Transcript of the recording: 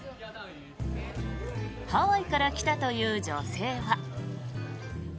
ハワイから来たという女性は。